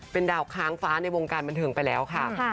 เป็นดาวค้างฟ้าในวงการบันเทิงไปแล้วค่ะ